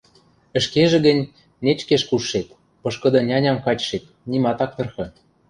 ӹшкежӹ гӹнь, нечкеш кушшет, пышкыды няням качшет, нимат ак тырхы